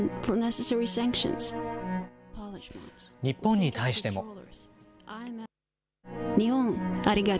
日本に対しても。